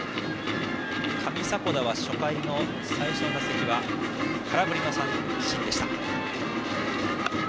上迫田は初回の最初の打席は空振り三振でした。